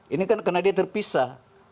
ini kan karena dia terpisah